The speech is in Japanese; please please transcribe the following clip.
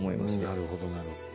なるほどなるほど。